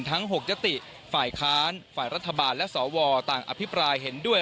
ทั้ง๖ยติฝ่ายค้านฝ่ายรัฐบาลและสวต่างอภิปรายเห็นด้วย